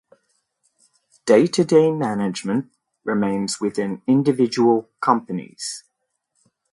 Day-to-day management remains within individual companies.